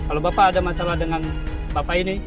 kalau bapak ada masalah dengan bapak ini